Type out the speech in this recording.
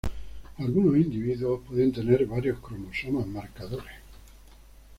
Algunos individuos pueden tener varios cromosomas marcadores.